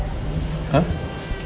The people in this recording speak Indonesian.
mau ketemu anak sendiri aja harus izin